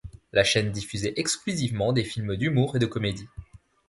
La chaîne diffusait exclusivement des films d'humour et de comédie.